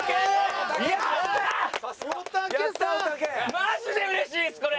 マジで嬉しいですこれ！